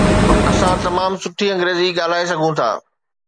اسان تمام سٺي انگريزي ڳالهائي سگهون ٿا